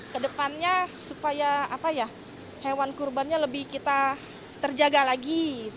ke depannya supaya hewan kurbannya lebih kita terjaga lagi